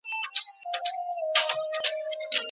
په لاس لیکل د زده کوونکي د ژوند کیسه ده.